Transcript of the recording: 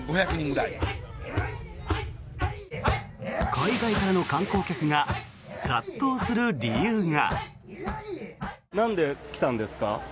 海外からの観光客が殺到する理由が。